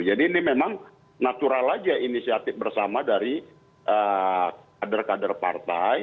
jadi ini memang natural aja inisiatif bersama dari kader kader partai